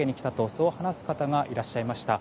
そう話す方がいらっしゃいました。